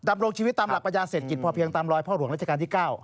ดำรงชีวิตตามหลักปัญญาเศรษฐกิจพอเพียงตามรอยพ่อหลวงราชการที่๙